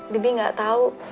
bibih gak tau